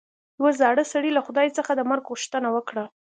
یوه زاړه سړي له خدای څخه د مرګ غوښتنه وکړه.